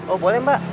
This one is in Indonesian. oh boleh mbak